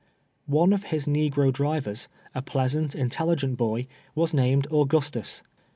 One of his negro drivers, a pleasant, intelligent boy, was named Augustus.